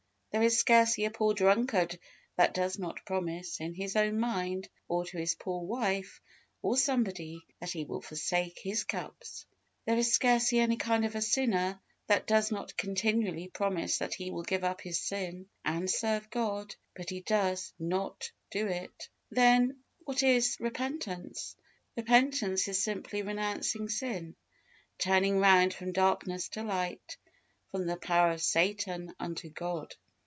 There is scarcely a poor drunkard that does not promise, in his own mind, or to his poor wife, or somebody, that he will forsake his cups. There is scarcely any kind of a sinner that does not continually promise that he will give up his sin, and serve God, but he does not do it. Then what is repentance? Repentance is simply renouncing sin turning round from darkness to light from the power of Satan unto God.